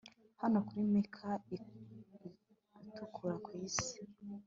hano kuri meka itukura kwisi